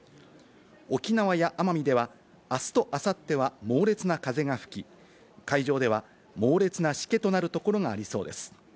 沖縄や奄美では、あすとあさっては猛烈な風が吹き、海上では猛烈なしけとなるところがありそうです。